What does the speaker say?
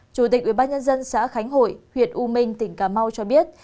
chủ tịch ubnd xã khánh hội huyện u minh tỉnh cà mau cho biết